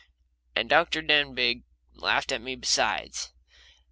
And Dr. Denbigh laughed at me besides.